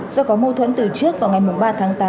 do có mâu thuẫn từ trước vào ngày ba tháng tám